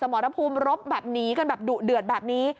หมอรภูมิรบแบบนี้กันแบบดุเดือดแบบนี้